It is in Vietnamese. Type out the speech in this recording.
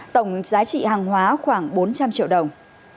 tổng giá trị hàng hóa khoảng bốn trăm linh triệu đồng